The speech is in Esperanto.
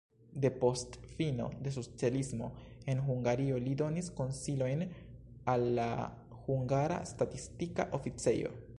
Depost fino de socialismo en Hungario li donis konsilojn al la hungara statistika oficejo.